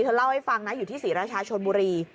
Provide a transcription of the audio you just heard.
เธอเล่าให้ฟังนะอยู่ที่ศรีราชาชนบุรี